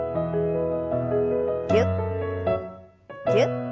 ぎゅっぎゅっ。